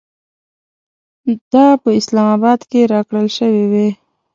دا په اسلام اباد کې راکړل شوې وې.